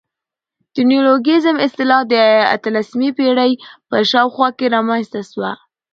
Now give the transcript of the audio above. د نیولوګیزم اصطلاح د اتلسمي پېړۍ په شاوخوا کښي رامنځ ته سوه.